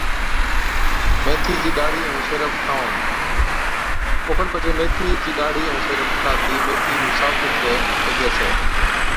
ميٿِي چِي ڏاڙهِي ائُون سيرب ٺاهوڻ، اوکن پڇي ميٿي چِي ڏاڙھِي ائُون سيرب ٺاھتِي ميٿي نُون صاف سُٿرَي ڪجَي ڇَي